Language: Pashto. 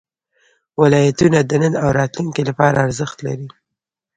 ولایتونه د نن او راتلونکي لپاره ارزښت لري.